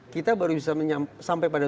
kita baru bisa sampai pada